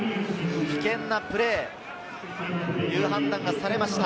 危険なプレーという判断がされました。